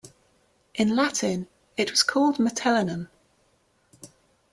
In Latin, it was called "Metellinum".